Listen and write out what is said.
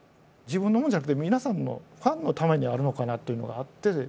自分のものじゃなくて皆さんのファンのためにあるのかなというのがあって。